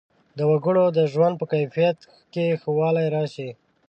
د وګړو د ژوند په کیفیت کې ښه والی راشي.